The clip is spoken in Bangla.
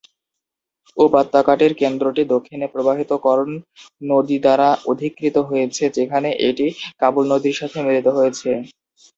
উপত্যকার কেন্দ্রটি দক্ষিণে প্রবাহিত কর্ণ নদী দ্বারা অধিকৃত হয়েছে যেখানে এটি কাবুল নদীর সাথে মিলিত হয়েছে।